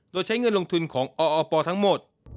โดยใช้เงินลงทุนของออปทั้งหมด